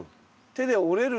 手で折れる。